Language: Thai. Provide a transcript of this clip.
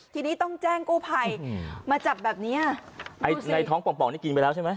กินไปแล้วใช่ไหม